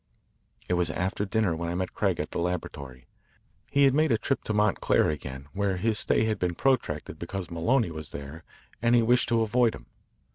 It was after dinner when I met Craig at the laboratory. He had made a trip to Montclair again, where his stay had been protracted because Maloney was there and he wished to avoid him.